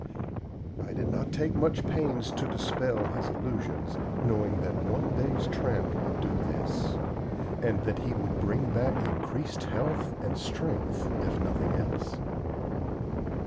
I did not take much pains to dispel his illusions, knowing that one day's tramp would do this, and that he would bring back increased health and strength if nothing else.